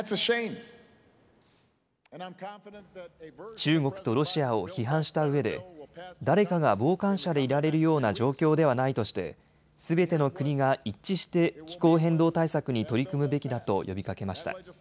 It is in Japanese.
中国とロシアを批判したうえで誰かが傍観者でいられるような状況ではないとしてすべての国が一致して気候変動対策に取り組むべきだと呼びかけました。